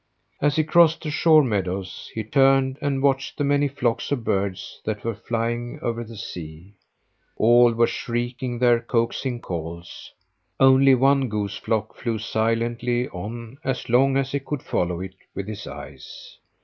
As he crossed the shore meadows he turned and watched the many flocks of birds that were flying over the sea. All were shrieking their coaxing calls only one goose flock flew silently on as long as he could follow it with his eyes.